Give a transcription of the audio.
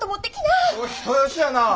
お人よしやなぁ。